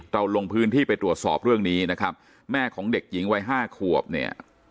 ลงพื้นที่ไปตรวจสอบเรื่องนี้นะครับแม่ของเด็กหญิงวัยห้าขวบเนี่ย